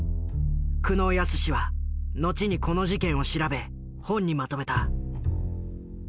久能靖は後にこの事件を調べ本にまとめた。